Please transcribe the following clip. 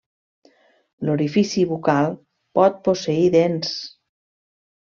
L'orifici bucal pot posseir dents.